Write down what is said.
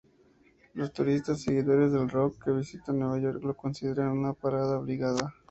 Los turistas seguidores del rock, que visitan Nueva York, lo consideran una parada obligada.